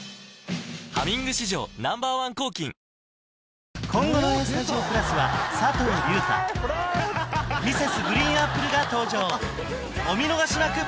「ハミング」史上Ｎｏ．１抗菌今後の「ＡＳＴＵＤＩＯ＋」は佐藤隆太Ｍｒｓ．ＧＲＥＥＮＡＰＰＬＥが登場お見逃しなく！